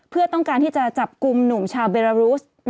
เพื่อต้องการที่จะจับกลุ่มหนุ่มชาวเบรารุส